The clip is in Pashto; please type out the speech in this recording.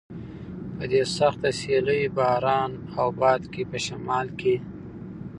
په دې سخته سیلۍ، باران او باد کې په شمال کې.